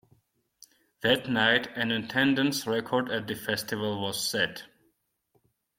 That night an attendance record at the festival was set.